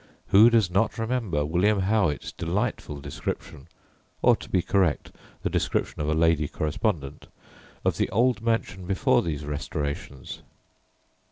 Who does not remember William Howitt's delightful description or, to be correct, the description of a lady correspondent of the old mansion before these restorations.